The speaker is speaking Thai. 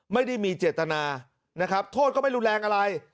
ไม่ได้มีเจตนานะครับโทษก็ไม่รุนแรงอะไร